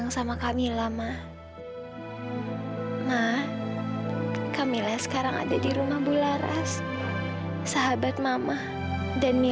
gue bisa mengingatkan anda pas dicinstuh sama dia saat ini